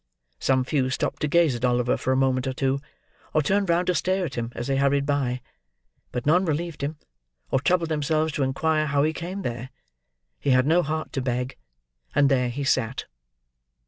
Some few stopped to gaze at Oliver for a moment or two, or turned round to stare at him as they hurried by; but none relieved him, or troubled themselves to inquire how he came there. He had no heart to beg. And there he sat.